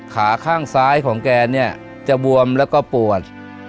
ขาข้างซ้ายของแกเนี่ยจะบวมแล้วก็ปวด